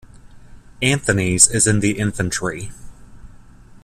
Anthony's in the Infantry.